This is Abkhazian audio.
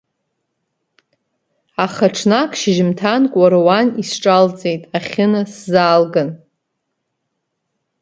Аха ҽнак шьыжьымҭанк уара уан исҿалҵеит ахьына сзаалган.